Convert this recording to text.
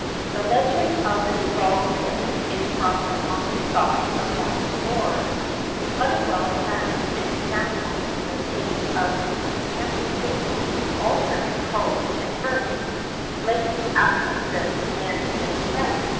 The legend of the dissolved marriage is from the common stock of ballad lore, Motherwell found an example in the state of Cantefable, alternate prose and verse, like Aucassin and Nicolette.